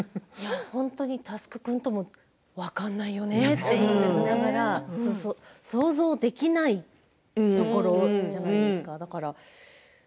本当に、佑君とも分かんないよねって言いながら想像できないところじゃないですか。